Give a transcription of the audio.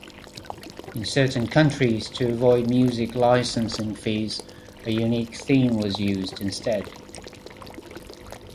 In certain countries, to avoid music licensing fees, a unique theme was used, instead.